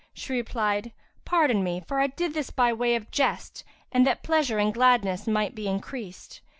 She replied, "Pardon me! for I did this by way of jest, and that pleasure and gladness might be increased."